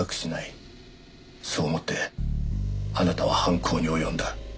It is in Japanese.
そう思ってあなたは犯行に及んだ。